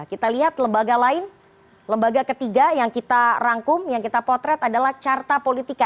kita lihat lembaga lain lembaga ketiga yang kita rangkum yang kita potret adalah carta politika